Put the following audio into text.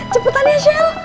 cepetan ya shell